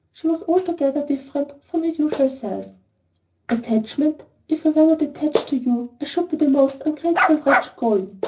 She was altogether different from her usual self. "Attachment! If I were not attached to you I should be the most ungrateful wretch going.